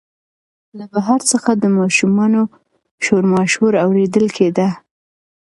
له بهر څخه د ماشومانو شورماشور اورېدل کېده.